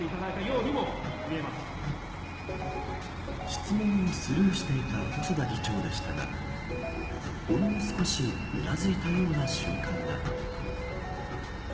質問をスルーしていた細田議長でしたがほんの少しうなずいたような瞬間が。